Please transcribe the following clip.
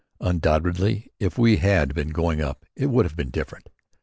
Undoubtedly, if we had been "going up" it would have been different.